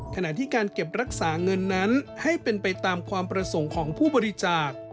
ขณะที่การเก็บรักษาเงินนั้นให้เป็นไปตามความประสงค์ของผู้บริจาค